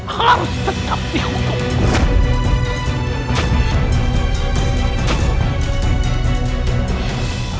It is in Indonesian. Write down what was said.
harus tetap dihukum